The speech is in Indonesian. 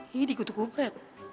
ini dikutuk upret